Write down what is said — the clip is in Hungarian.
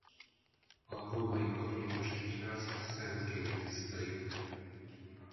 Az római katolikus egyház szentként tiszteli.